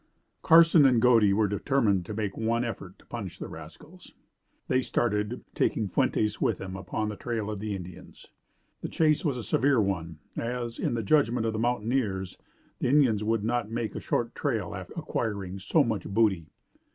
Carson and Godey were determined to make one effort to punish the rascals. They started, taking Fuentes with them, upon the trail of the Indians. The chase was a severe one, as, in the judgment of the mountaineers, the Indians would not make a short trail after acquiring so much booty.